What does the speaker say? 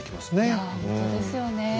いやほんとですよね。